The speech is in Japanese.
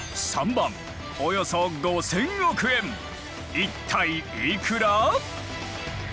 一体いくら？